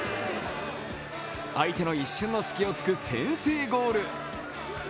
相手の一瞬のすきをつく先制ゴール。